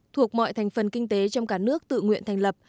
thuộc mọi thành phần kinh tế trong cả nước tự nguyện thành lập